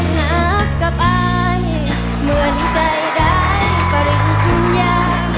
ได้หลับกับอายเหมือนใจได้ปริญญา